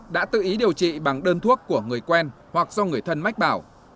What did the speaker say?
đã tự ý điều trị bằng đơn thuốc của người quen hoặc do người thân mách bảo